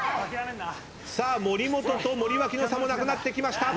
さあ森本と森脇の差もなくなってきました。